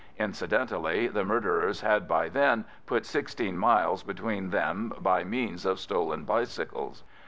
Incidentally, the murderers had by then put sixteen miles behind them by means of stolen bicycles.